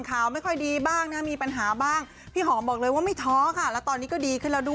ข่าวไม่ค่อยดีบ้างนะมีปัญหาบ้างพี่หอมบอกเลยว่าไม่ท้อค่ะแล้วตอนนี้ก็ดีขึ้นแล้วด้วย